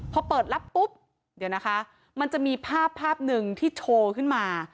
พอเปิดรับปุ๊บเดี๋ยวนะคะมันจะมีภาพภาพหนึ่งที่โชว์ขึ้นมา